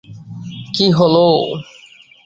কী হলো?